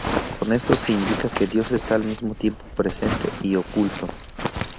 Con esto se indica que Dios está al mismo tiempo presente y oculto.